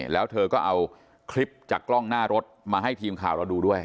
แล้วเธอก็เอาคลิปจากกล้องหน้ารถมาให้ทีมข่าวเราดูด้วย